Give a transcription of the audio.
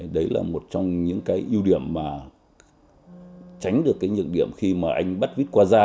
đấy là một trong những cái ưu điểm mà tránh được cái nhược điểm khi mà anh bắt vít qua da